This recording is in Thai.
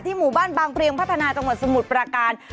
หมู่บ้านบางเพลียงพัฒนาจังหวัดสมุทรปราการ